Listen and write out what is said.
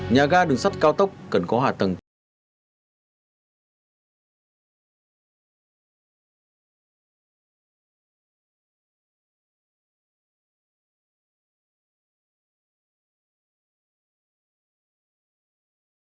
nhà ga đường sắt cao tốc cần có hòa tầng cao